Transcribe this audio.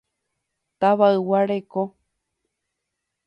Tavaygua reko.